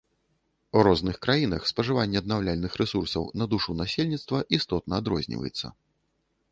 У розных краінах спажыванне аднаўляльных рэсурсаў на душу насельніцтва істотна адрозніваецца.